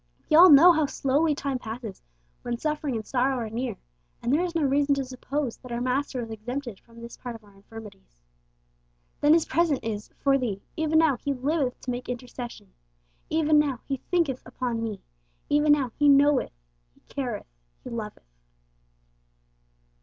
We all know how slowly time passes when suffering and sorrow are near, and there is no reason to suppose that our Master was exempted from this part of our infirmities. Then His present is 'for thee.' Even now He 'liveth to make intercession;' even now He 'thinketh upon me;' even now He 'knoweth,' He 'careth,' He 'loveth.'